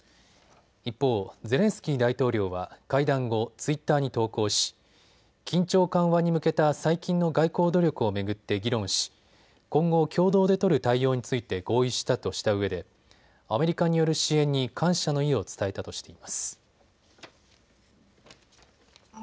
一方ゼレンスキー大統領は会談後ツイッターに投稿し緊張緩和に向けた最近の外交努力を巡って議論し今後共同で取る対応について合意したとしたうえで、アメリカによる支援に感謝の意を伝えたとしています。